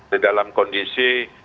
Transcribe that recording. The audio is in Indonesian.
di dalam kondisi